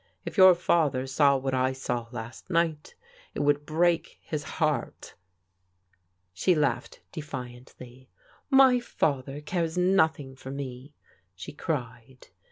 If your father saw what I saw last night, it would break his heart." She laughed defiantly. " My father cares nothing for me," she cried.